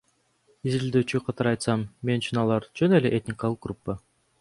Изилдөөчү катары айтсам, мен үчүн алар — жөн эле этникалык группа.